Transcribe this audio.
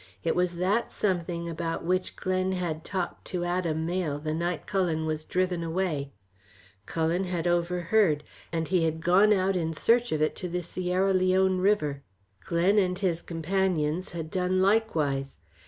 It was that something about which Glen had talked to Adam Mayle the night Cullen was driven away; Cullen had overheard, and he had gone out in search of it to the Sierra Leone River. Glen and his companions had done likewise.